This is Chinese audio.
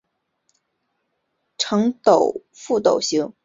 呈覆斗形。